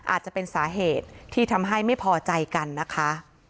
อาจจะเป็นสาเหตุที่ทำให้ไม่พอใจกันนะคะ